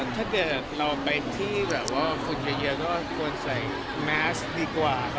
ก็ถ้าเกิดเราไปที่ฝุ่นเยอะก็ควรใส่เม็สก์ดีกว่าครับ